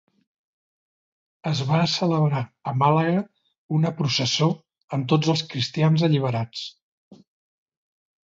Es va celebrar a Màlaga una processó amb tots els cristians alliberats.